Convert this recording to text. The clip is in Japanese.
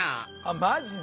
マジで？